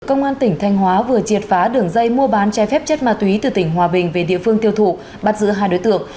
công an tỉnh thanh hóa vừa triệt phá đường dây mua bán trái phép chất ma túy từ tỉnh hòa bình về địa phương tiêu thụ bắt giữ hai đối tượng